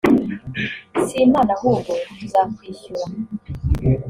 si impano ahubwo tuzakwishyura'